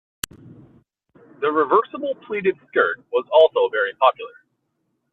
The reversible pleated skirt was also very popular.